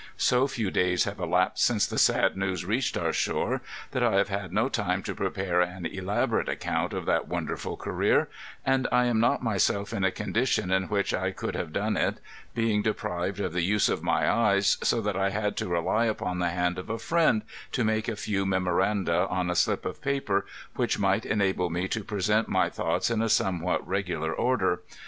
So few days have elapsed since the sad news reached our shore, that I have had no time to prepare an elaborate account of that won derful career, and I am not myself in a condition in which I could have done it, being deprived of the use of my eyes, so that 1 had to rely upon the hand of a friend to make a few memo randa on a slip of paper, which might enable me to present my thoughts in a somewhat regular order.